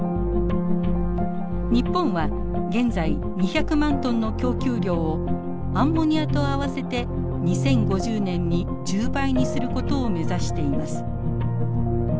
日本は現在２００万トンの供給量をアンモニアと合わせて２０５０年に１０倍にすることを目指しています。ＲＥＰｏｗｅｒＥＵ